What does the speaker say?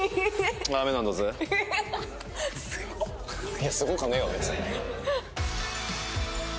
いやすごかねえわ別に。